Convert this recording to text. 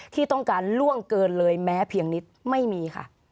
ที่ต้องการล่วงเกินเลยแม้เพียงนิดไม่มีค่ะ